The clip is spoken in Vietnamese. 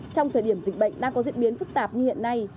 trong thời điểm dịch bệnh đang có diễn biến phức tạp như hiện nay